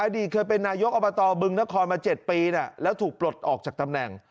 อดีตเคยเป็นนายกอบตบึงนครมา๗ปีแล้วถูกปลดออกจากตำแหน่ง